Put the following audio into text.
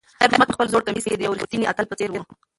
خیر محمد په خپل زوړ کمیس کې د یو ریښتیني اتل په څېر و.